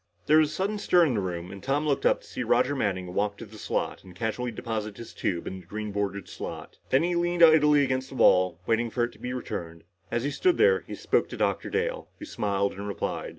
There was a sudden stir in the room and Tom looked up to see Roger Manning walk to the slot and casually deposit his tube in the green bordered slot. Then he leaned idly against the wall waiting for it to be returned. As he stood there, he spoke to Dr. Dale, who smiled and replied.